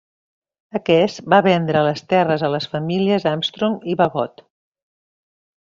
Aquest va vendre les terres a les famílies Armstrong i Bagot.